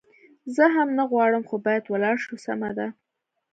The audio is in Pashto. زه هم نه غواړم، خو باید ولاړ شو، سمه ده.